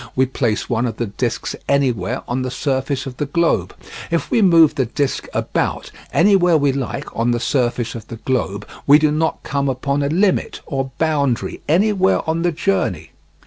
We place one of the discs anywhere on the surface of the globe. If we move the disc about, anywhere we like, on the surface of the globe, we do not come upon a limit or boundary anywhere on the journey.